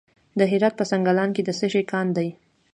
د هرات په سنګلان کې د څه شي کان دی؟